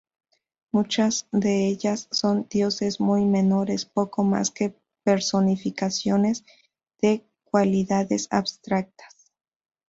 Muchas de ellas son dioses muy menores, poco más que personificaciones de cualidades abstractas.